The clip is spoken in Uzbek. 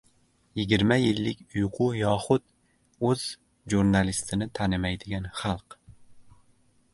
Yigirma yillik uyqu yoxud o‘z jurnalistini tanimaydigan xalq...